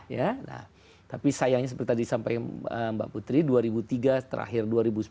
ya nah tapi sayangnya seperti tadi sampai mbak putri dua ribu tiga terakhir dua ribu sembilan belas